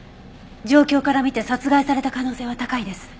状況から見て殺害された可能性は高いです。